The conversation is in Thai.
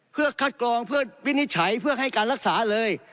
เพื่อคัดกรองเพื่อวินิจฉัยเพื่อให้การรักษาเลย